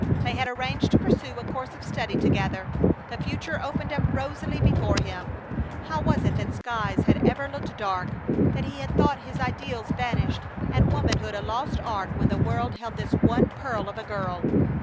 They had arranged to pursue a course of study together. The future opened up rosily before him. How was it that skies had ever looked dark, that he had thought his ideals vanished, and womanhood a lost art when the world held this one pearl of a girl?